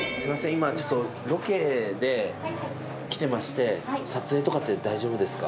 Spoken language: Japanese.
今ロケで来てまして撮影とかって大丈夫ですか？